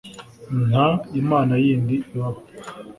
Nta Imana yindi ibaho!